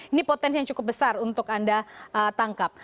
ini potensi yang cukup besar untuk anda tangkap